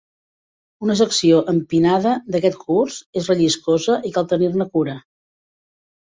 Una secció empinada d'aquest curs és relliscosa i cal tenir-ne cura.